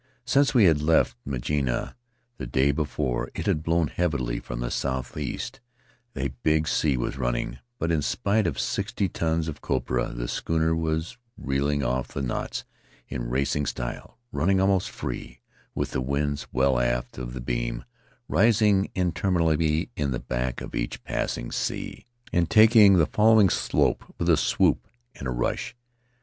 Since we had left Mangaia, the day before, it had blown heavily from the southeast; a big sea was running, but in spite of sixty tons of copra the schooner was reeling off the knots in racing style, running almost free, with the wind well aft of the beam, rising interminably on the back of each passing sea, and taking the following slope with a swoop and a rush.